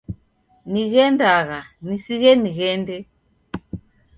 Nighendagha nisighe nighende.